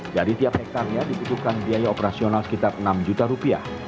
jadi tiap hektarnya diperlukan biaya operasional sekitar enam juta rupiah